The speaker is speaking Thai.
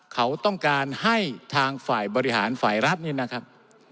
เขาต้องการให้ทางฝ่ายบริหารฝ่ายรัฐนี่นะครับ